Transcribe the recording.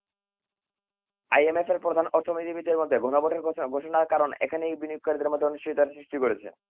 আইএমএফের প্রধান অর্থনীতিবিদের মতে, গণভোটের ঘোষণার কারণে এখনই বিনিয়োগকারীদের মধ্যে অনিশ্চয়তার সৃষ্টি হয়েছে।